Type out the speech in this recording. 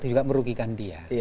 itu juga merugikan dia